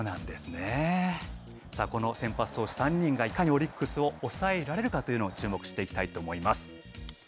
この先発投手３人が、いかにオリックスを抑えられるかというのに注目したいと思います。